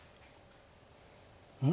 うん？